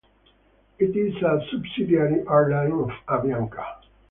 It is a subsidiary airline of Avianca.